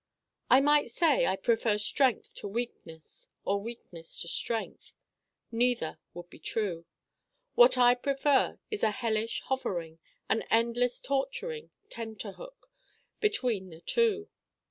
I might say I prefer strength to weakness or weakness to strength. Neither would be true. What I prefer is a hellish hovering, an endless torturing Tenterhook between the two.